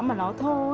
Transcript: mà nó thô